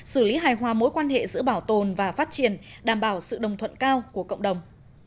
xử lý hài hòa mối quan hệ giữa bảo tồn và phát triển đảm bảo sự đồng thuận cao của cộng đồng